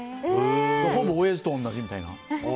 ほぼ親父と同じみたいな。